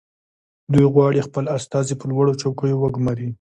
دوی غواړي خپل استازي په لوړو چوکیو وګماري